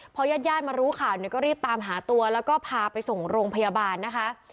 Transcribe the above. พอญาติญาติมารู้ข่าวเนี่ยก็รีบตามหาตัวแล้วก็พาไปส่งโรงพยาบาลนะคะ